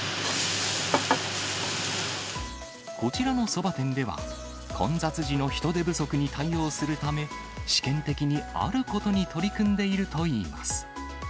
こちらのそば店では、混雑時の人手不足に対応するため、試験的にあることに取り組んでいるといいます。